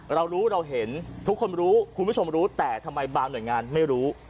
เรารู้เราเห็นทุกคนรู้คุณผู้ชมรู้แต่ทำไมบางหน่วยงานไม่รู้